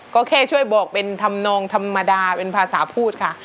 ก็แค่ช่วยบอกเป็นธรรมนองธรรมดาเป็นภาษาพูดค่ะ